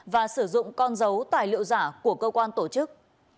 và sử dụng con dấu tài liệu giả của cơ quan tổ chức